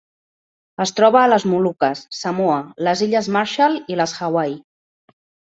Es troba a les Moluques, Samoa, les Illes Marshall i les Hawaii.